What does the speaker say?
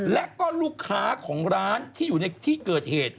และก็ลูกค้าของร้านที่อยู่ในที่เกิดเหตุ